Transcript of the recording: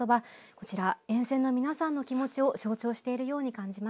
こちら沿線の皆さんの気持ちを象徴しているように感じました。